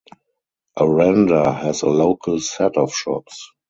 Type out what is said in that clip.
Aranda has a local set of shops.